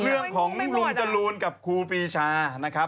เรื่องของลุงจรูลกับครูปีชานะครับ